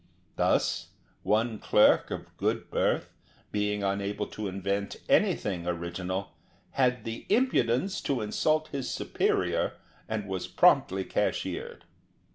Thus one clerk, of good birth, being unable to invent anything original, had the impudence to insult his superior, and was promptly cashiered.